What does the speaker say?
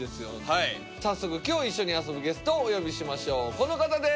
早速きょう一緒に遊ぶゲストをお呼びしましょうこの方です！